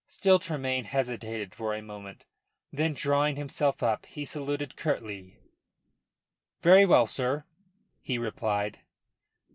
Still Tremayne hesitated for a moment. Then drawing himself up, he saluted curtly. "Very well, sir," he replied.